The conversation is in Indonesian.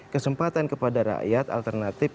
kesempatan kepada rakyat alternatif